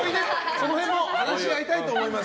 その辺も話し合いたいと思います。